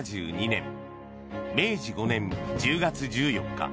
１８７２年明治５年１０月１４日